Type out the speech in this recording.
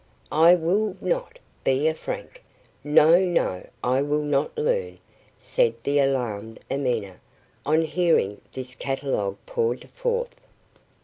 "I will not be a Frank! No, no! I will not learn," said the alarmed Amina on hearing this catalogue poured forth.